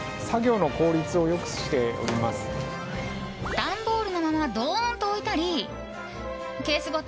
段ボールのままどーんと置いたりケースごと